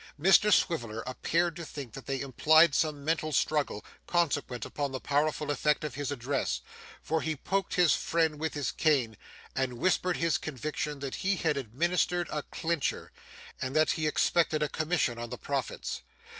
Mr Swiveller appeared to think that they implied some mental struggle consequent upon the powerful effect of his address, for he poked his friend with his cane and whispered his conviction that he had administered 'a clincher,' and that he expected a commission on the profits.